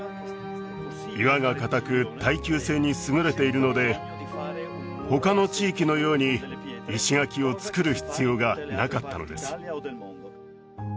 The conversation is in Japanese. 岩が硬く耐久性に優れているので他の地域のように石垣をつくる必要がなかったのです